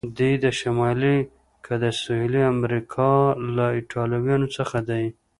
دی د شمالي که د سهیلي امریکا له ایټالویانو څخه دی؟